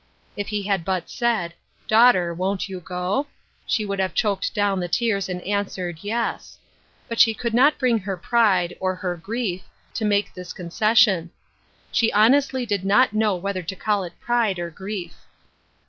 If he had but said, " Daughter, won't you go?" she would have choked down the tears and answered, " Yes." But she could not bring her pride, or her grief, to make this con cession. She honestly did not know whether to call it pride or grief.